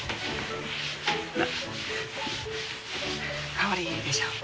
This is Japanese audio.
香りいいでしょ。